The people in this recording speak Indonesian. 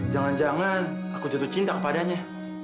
jangan jangan aku akan mencintainya